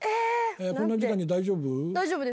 こんな時間に大丈夫？